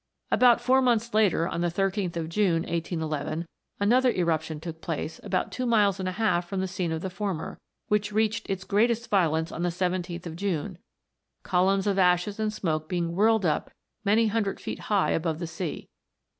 About four months after, on the 13th of June, 1811, another eruption took place about two miles and a half from the scene of the former, which reached its greatest violence on the 17th of June, columns of ashes and smoke being whirled up many hundred feet high above the sea.